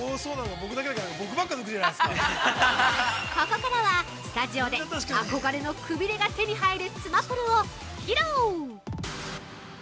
ここからは、スタジオで憧れのくびれが手に入るつまぷるを披露。